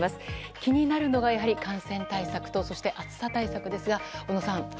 気になるのが、やはり感染対策とそして暑さ対策ですが小野さん。